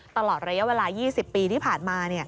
ตลอดระยะเวลา๒๐ปีที่ผ่านมา